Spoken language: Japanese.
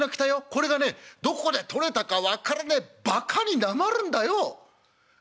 これがねどこで取れたか分からねえバカになまるんだよ。